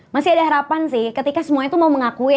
masih ada harapan sih ketika semua itu mau mengakui